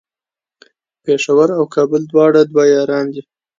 پیښور او کابل دواړه دوه یاران دی